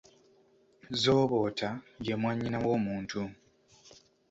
Zooboota ye mwannyina w’omuntu.